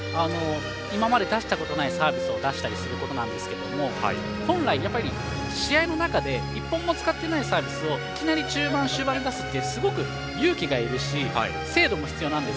今まで、出したことないサービスを出したりすることなんですけど本来、試合の中で１本も使っていないサービスをいきなり中盤、終盤で出すってすごく勇気がいるし精度も必要なんです。